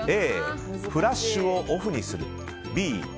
Ａ、フラッシュをオフにする。